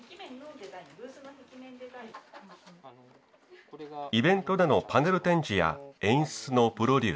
イベントでのパネル展示や演出のプロデュース。